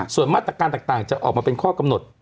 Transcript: ส่วนมาตรการต่างจะออกมาเป็นข้อกำหนด